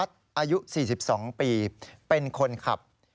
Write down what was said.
สี่สิบสองปีเป็นคนขับ